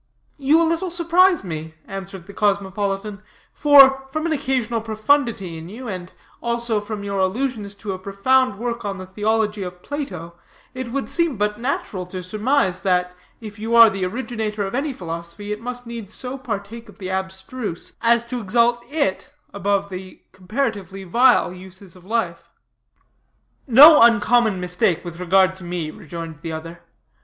"You a little surprise me," answered the cosmopolitan; "for, from an occasional profundity in you, and also from your allusions to a profound work on the theology of Plato, it would seem but natural to surmise that, if you are the originator of any philosophy, it must needs so partake of the abstruse, as to exalt it above the comparatively vile uses of life." "No uncommon mistake with regard to me," rejoined the other.